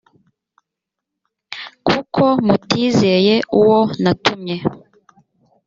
kuko mutizeye uwo natumye